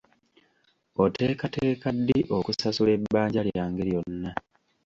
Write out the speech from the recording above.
Oteekateeka ddi okusasula ebbanja lyange lyonna?